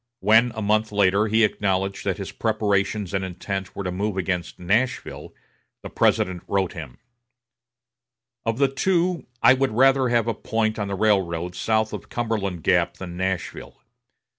When, a month later, he acknowledged that his preparations and intent were to move against Nashville, the President wrote him: "Of the two, I would rather have a point on the railroad south of Cumberland Gap than Nashville.